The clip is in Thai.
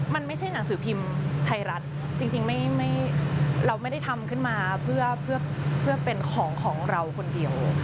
มันไม่ใช่หนังสือพิมพ์ไทยรัฐจริงเราไม่ได้ทำขึ้นมาเพื่อเป็นของของเราคนเดียว